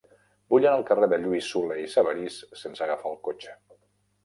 Vull anar al carrer de Lluís Solé i Sabarís sense agafar el cotxe.